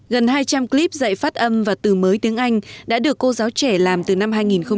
gần hai trăm linh clip dạy phát âm và từ mới tiếng anh đã được cô giáo trẻ làm từ năm hai nghìn một mươi